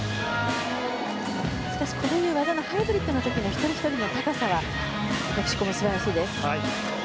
しかしこういう技のハイブリッドの時の一人ひとりの高さは素晴らしいです。